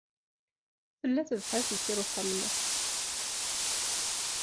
Tella tebḥirt deffir wexxam-nneɣ.